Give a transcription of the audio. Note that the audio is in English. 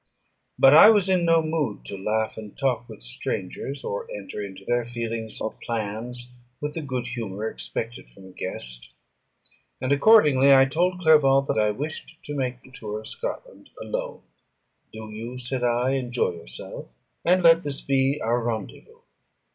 But I was in no mood to laugh and talk with strangers, or enter into their feelings or plans with the good humour expected from a guest; and accordingly I told Clerval that I wished to make the tour of Scotland alone. "Do you," said I, "enjoy yourself, and let this be our rendezvous.